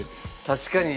確かに。